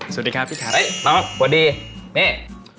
สวัสดีครับพี่ค่ะโอเคสวัสดี